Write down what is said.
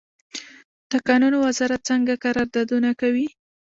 د کانونو وزارت څنګه قراردادونه کوي؟